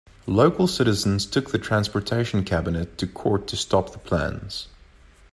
Local citizens took the Transportation Cabinet to court to stop the plans.